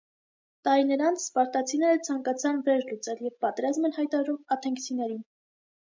Տարիներ անց սպարտացիները ցանկացան վրեժ լուծել և պատերազմ են հայտարարում աթենքցիներին։